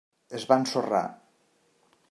Es va ensorrar.